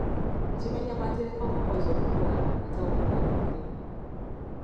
Kimenya mateeka omukozi okukola nga tawummula ku mulimu.